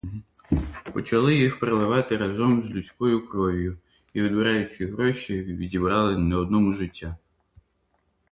Почали їх переливати разом з людською кров'ю, і, відбираючи гроші, відібрали не одному життя.